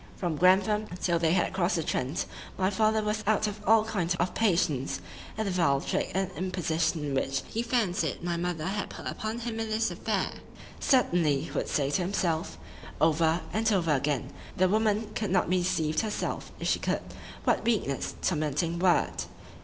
From Grantham, till they had cross'd the Trent, my father was out of all kind of patience at the vile trick and imposition which he fancied my mother had put upon him in this affair—"Certainly," he would say to himself, over and over again, "the woman could not be deceived herself——if she could,——"what weakness!"—tormenting word!